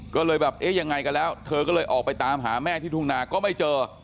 ก็เลยแบบเอ๊ะยังไงกันแล้วเธอก็เลยออกไปตามหาแม่ที่ทุ่งนาก็ไม่เจอ